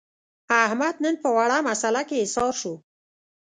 احمد نن په وړه مسعله کې حصار شو.